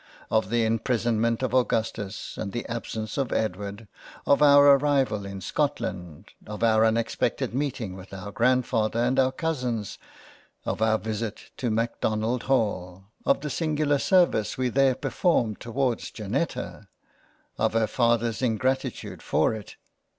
Of the imprisonment of Augustus and the absence of Edward — of our arrival in Scotland — of our un expected Meeting with our Grand father and our cousins — of our visit to Macdonald Hall — of the singular service we there performed towards Janetta — of her Fathers ingratitude for it